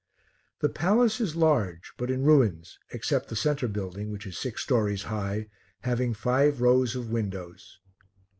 The palace is large, but in ruins, except the centre building, which is six stories high, having five rows of windows.